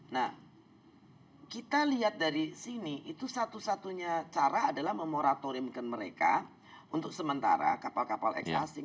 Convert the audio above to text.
nah kita lihat dari sini itu satu satunya cara adalah memoratoriumkan mereka untuk sementara kapal kapal eks asing